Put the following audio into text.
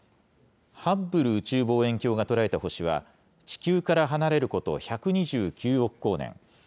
ハッブル宇宙望遠鏡が捉えた星は地球から離れること１２９億光年。